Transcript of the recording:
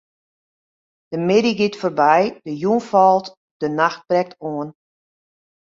De middei giet foarby, de jûn falt, de nacht brekt oan.